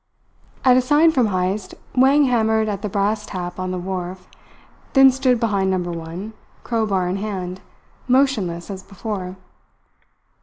At a sign from Heyst, Wang hammered at the brass tap on the wharf, then stood behind Number One, crowbar in hand, motionless as before.